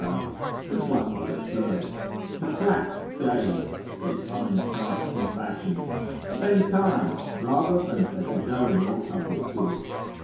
(as one well observes) to crack, gaze, see fine sights and fashions, spend time, rather than for his own or public good?